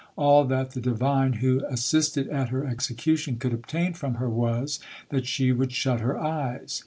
All that the divine who assisted at her execution could obtain from her was, that she would shut her eyes.